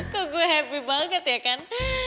kok gue happy banget ya kan